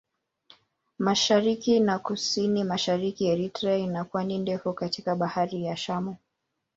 Mashariki na Kusini-Mashariki Eritrea ina pwani ndefu katika Bahari ya Shamu.